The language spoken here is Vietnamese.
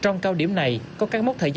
trong cao điểm này có các mốt thay đổi